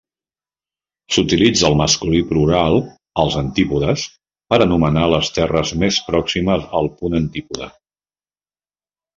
S'utilitza el masculí plural, els antípodes, per anomenar les terres més pròximes al punt antípoda.